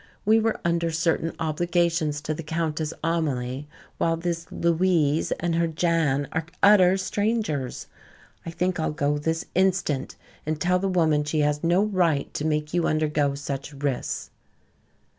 We were under certain obligations to the Countess Amelie, while this 'Louise' and her 'Jan' are utter strangers. I think I'll go this instant and tell the woman she has no right to make you undergo such risks."